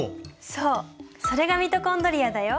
そうそれがミトコンドリアだよ。